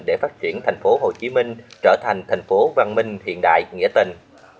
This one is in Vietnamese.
để phát triển tp hcm trở thành thành phố văn minh hiện đại nghĩa tình